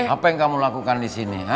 apa yang kamu lakukan di sini